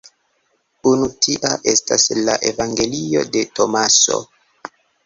Unu tia estas la evangelio de Tomaso.